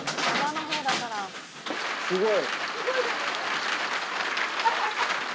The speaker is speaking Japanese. すごい。